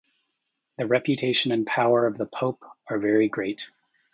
The reputation and power of the pope are very great.